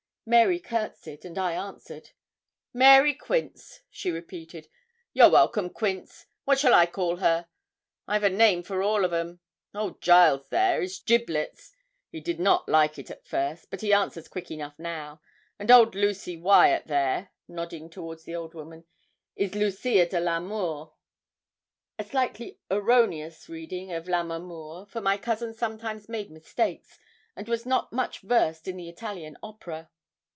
Mary courtesied, and I answered. 'Mary Quince,' she repeated. 'You're welcome, Quince. What shall I call her? I've a name for all o' them. Old Giles there, is Giblets. He did not like it first, but he answers quick enough now; and Old Lucy Wyat there,' nodding toward the old woman, 'is Lucia de l'Amour.' A slightly erroneous reading of Lammermoor, for my cousin sometimes made mistakes, and was not much versed in the Italian opera.